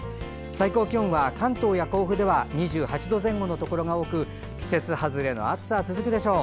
最高気温は関東や甲府では２８度前後のところが多く季節外れの暑さが続くでしょう。